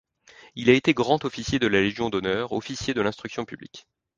Il a été grand officier de la Légion d'honneur, officier de l'Instruction publique.